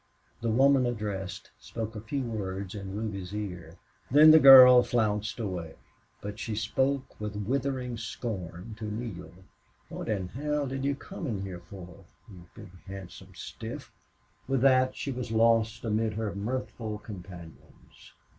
The woman addressed spoke a few words in Ruby's ear. Then the girl flounced away. But she spoke with withering scorn to Neale. "What in hell did you come in here for, you big handsome stiff?" With that she was lost amid her mirthful companions.